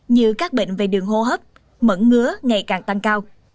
như các bệnh về đường hô hấp mẫn ngứa ngày càng tăng cao